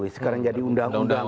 sekarang jadi undang undang